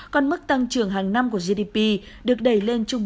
còn mức tăng trưởng hàng năm của gdp được đẩy lên trung bình